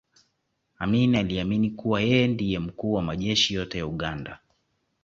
amin aliamini kuwa yeye ndiye mkuu wa majeshi yote ya uganda